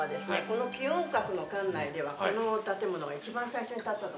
この起雲閣の館内ではこの建物が一番最初に建った。